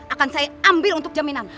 akan saya ambil untuk jaminan